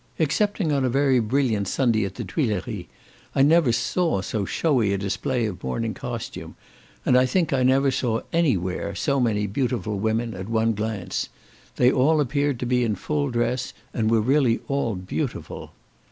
Excepting on a very brilliant Sunday at the Tuilleries, I never saw so shewy a display of morning costume, and I think I never saw any where so many beautiful women at one glance. They all appeared to be in full dress, and were really all beautiful.